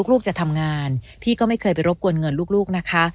ลูกจะทำงานพี่ก็ไม่เคยไปรบกวนเงินลูกนะคะ